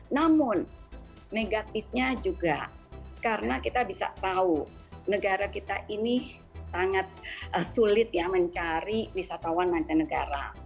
namun negatifnya juga karena kita bisa tahu negara kita ini sangat sulit ya mencari wisatawan mancanegara